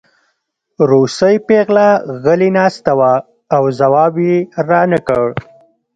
روسۍ پېغله غلې ناسته وه او ځواب یې رانکړ